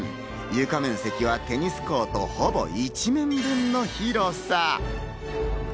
床面積はテニスコートほぼ１面分の広さ。